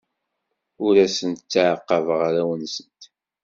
Ur asent-ttɛaqabeɣ arraw-nsent.